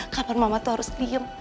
kapan mama tuh harus diem